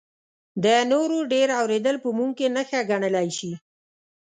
د نورو ډېر اورېدل په موږ کې نښه ګڼلی شي.